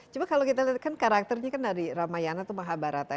cuma kalau kita lihat kan karakternya kan dari ramayana itu mahabharata